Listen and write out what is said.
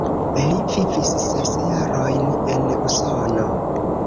Li vivis ses jarojn en Usono.